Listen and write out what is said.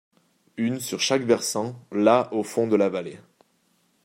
Une sur chaque versant, la au fond de la vallée.